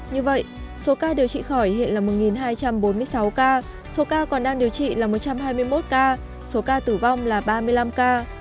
như vậy số ca điều trị khỏi hiện là một hai trăm bốn mươi sáu ca số ca còn đang điều trị là một trăm hai mươi một ca số ca tử vong là ba mươi năm ca